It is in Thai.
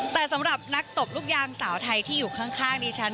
แต่สำหรับนักตบลูกยางสาวไทยที่อยู่ข้างดิฉัน